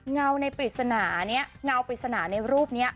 เงาในปริศนานี้เงาปริศนาในรูปนี้